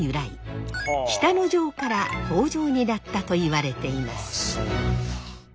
北の条から「北条」になったといわれています。